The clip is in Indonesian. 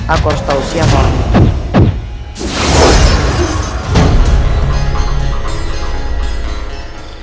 aku harus tahu siapa orang